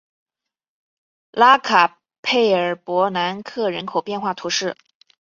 拉卡佩尔博南克人口变化图示